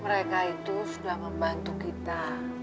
mereka itu sudah membantu kita